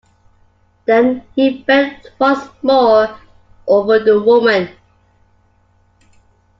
Then he bent once more over the woman.